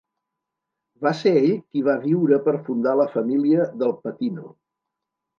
Va ser ell qui va viure per fundar la família del Patino.